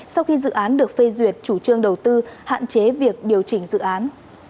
sau khi dự án được phê duyệt chủ trương đầu tư hạn chế việc điều chỉnh dự án